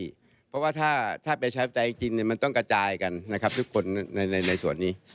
เพราะว่าถ้าใช้ประจายจริงต้องกระจายกันทุกคนในส่วนนี้